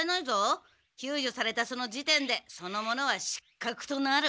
救助されたその時点でその者は失格となる。